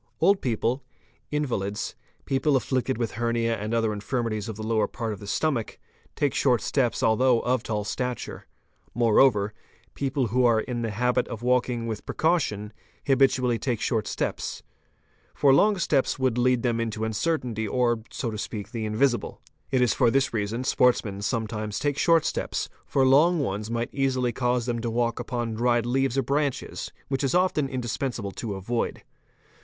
Old people, invalids, people afflicted with hernia and other infirmities of the lower part of the stomach, take short steps although of tall stature. Moreover people who are in the habit of walking with precaution, habitually take short steps, for long steps would lead them into uncertainty or, so to speak, the / invisible. It is for this reason sportsmen sometimes take short steps, ' for long ones might easily cause them to walk upon dried leaves or branches, which it is often indispensable to avoid.